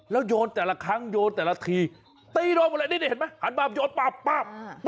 แล้วโยนแต่ละครั้งโยนแต่ละทีตีโดนหมดเลยนี่เห็นไหมหันมาโยนปั๊บปั๊บ